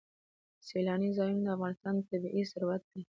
سیلانی ځایونه د افغانستان طبعي ثروت دی.